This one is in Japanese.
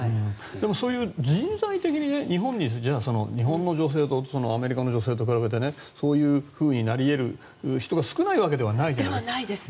そういう人材的に日本の女性とアメリカの女性と比べてそういうふうになり得る人が少ないわけではない？ではないです。